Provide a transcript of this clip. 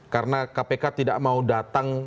karena kpk tidak mau datang